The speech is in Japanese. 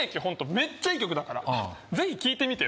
めっちゃいい曲だからぜひ聴いてみてよ